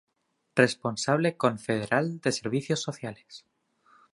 Responsable confederal de Servicios Sociales.